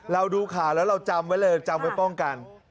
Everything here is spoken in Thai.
ดูข่าวแล้วเราจำไว้เลยจำไว้ป้องกัน